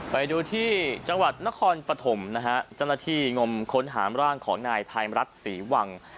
ไปดูที่จังหวัดนครปฐมนะฮะเจ้าหน้าที่งมค้นหามร่างของนายภัยมรัฐศรีวัง